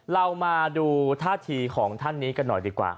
เรามาดูท่าทีของท่านนี้กันหน่อยดีกว่า